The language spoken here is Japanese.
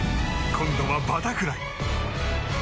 今度はバタフライ。